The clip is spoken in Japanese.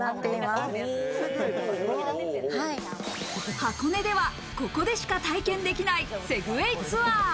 箱根では、ここでしか体験できないセグウェイツアー。